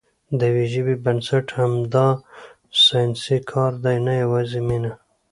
د یوې ژبې بنسټ همدا ساینسي کار دی، نه یوازې مینه.